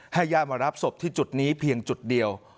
ญาติมารับศพที่จุดนี้เพียงจุดเดียว